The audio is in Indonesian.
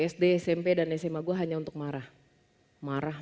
sd smp dan sma gue hanya untuk marah marah